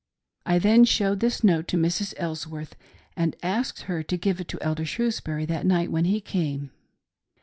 Then I showed this note to Mrs. Elsworth, and asked her to give it to Elder Shrewsbury that night when he came.